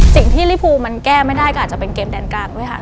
ลิภูมันแก้ไม่ได้ก็อาจจะเป็นเกมแดนกลางด้วยค่ะ